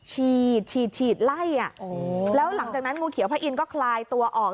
ฉีดฉีดฉีดไล่อ่ะโอ้แล้วหลังจากนั้นงูเขียวพะอินก็คลายตัวออก